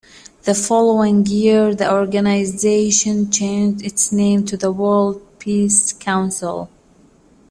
The following year the organisation changed its name to the World Peace Council.